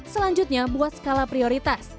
selanjutnya buat skala prioritas